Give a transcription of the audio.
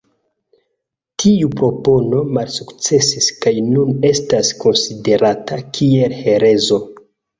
Tiu propono malsukcesis kaj nun estas konsiderata kiel herezo.